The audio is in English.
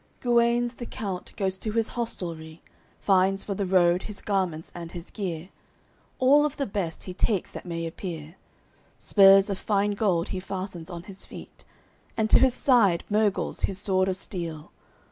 XXVII Guenes the count goes to his hostelry, Finds for the road his garments and his gear, All of the best he takes that may appear: Spurs of fine gold he fastens on his feet, And to his side Murgles his sword of steel.